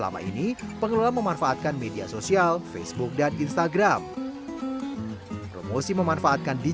menurut abdul halim kiat sukses wisata setigi bisa menjadi maju seperti saat ini